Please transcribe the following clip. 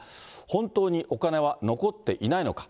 本当にお金は残っていないのか。